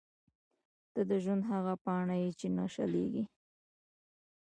• ته د ژوند هغه پاڼه یې چې نه شلېږي.